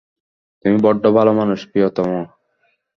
তুমি বড্ড ভালো মানুষ, প্রিয়তম!